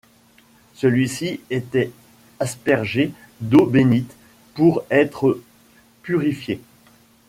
Celle-ci était aspergée d’eau bénite pour être purifiée.